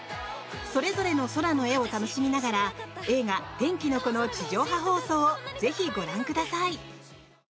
それぞれの空の絵を楽しみながら映画「天気の子」の地上波初放送をぜひご覧ください。